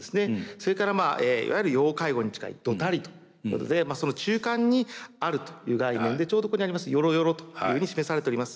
それからいわゆる要介護に近いドタリということでその中間にあるという概念でちょうどここにありますヨロヨロというふうに示されております。